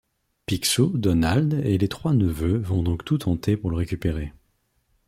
Picsou, Donald, et les trois neveux vont donc tout tenter pour le récupérer.